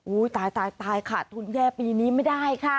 อุ๊ยตายตายค่ะทุนแย่ปีนี้ไม่ได้ค่ะ